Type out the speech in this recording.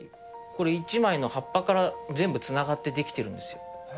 これ、１枚の葉っぱから全部つながって出来てるんですよ。